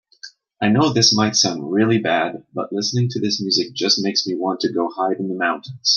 I know this might sound really bad, but listening to this music just makes me want to go hide in the mountains.